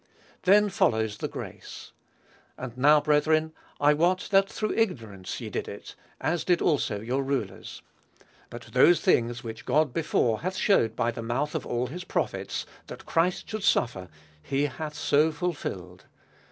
Then follows the grace. "And now, brethren, I wot that through ignorance ye did it, as did also your rulers. But those things, which God before had showed by the mouth of all his prophets, that Christ should suffer, he hath so fulfilled.